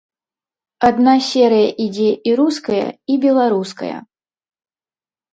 Адна серыя ідзе і руская, і беларуская.